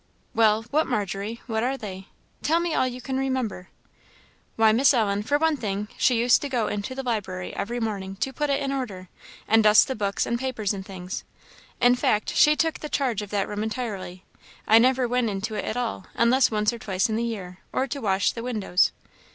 "Well, what, Margery? what are they? Tell me all you can remember." "Why, Miss Ellen for one thing she used to go into the library every morning, to put it in order, and dust the books and papers and things; in fact, she took the charge of that room entirely: I never went into it at all, unless once or twice in the year, or to wash the windows."